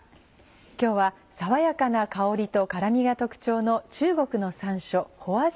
今日は爽やかな香りと辛みが特徴の中国の山椒花椒